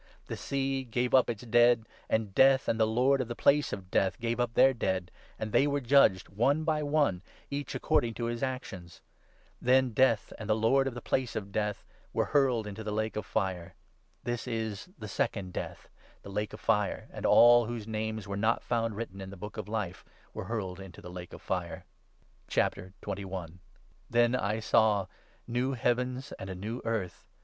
The sea gave up its dead, and Death 13 and the Lord of the Place of Death gave up their dead ; and they were judged, one by one, each according to his actions. Then Death and the Lord of the Place of Death were hurled 14 into the lake of fire. This is the Second Death — the lake of fire; and all whose names 'were not found written in the 15 Book of Life ' were hurled into the lake of fire. VII. — THE NEW CREATION. Then I saw new heavens and a new earth.